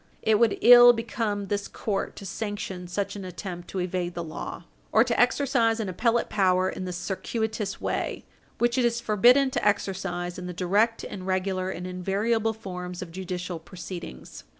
It would ill become this court to sanction such an attempt to evade the law, or to exercise an appellate power in this circuitous way which it is forbidden to exercise in the direct and regular and invariable forms of judicial proceedings.